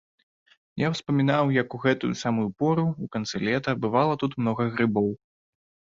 Я ўспамінаў, як у гэтую самую пору, у канцы лета, бывала тут многа грыбоў.